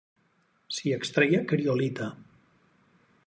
S'hi extreia criolita.